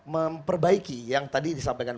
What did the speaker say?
memperbaiki yang tadi disampaikan